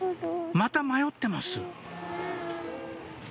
また迷ってます